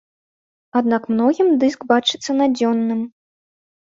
Аднак многім дыск бачыцца надзённым.